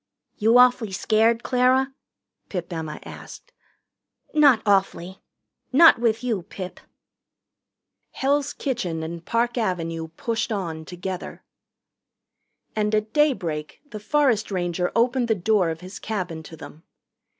"You awfully scared, Clara?" Pip Emma asked. "Not awfully not with you, Pip." Hell's Kitchen and Park Avenue pushed on together. And at daybreak the forest ranger opened the door of his cabin to them.